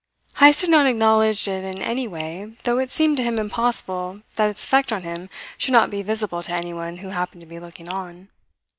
Heyst had not acknowledged it in any way, though it seemed to him impossible that its effect on him should not be visible to anyone who happened to be looking on.